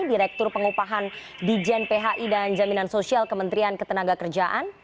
direktur pengupahan di jen phi dan jaminan sosial kementerian ketenaga kerjaan